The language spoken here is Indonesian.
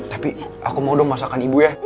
tapi aku mau dong masakan ibu ya